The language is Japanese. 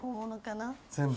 全部。